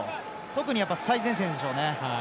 特に最前線でしょうね。